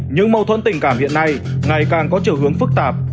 những mâu thuẫn tình cảm hiện nay ngày càng có chiều hướng phức tạp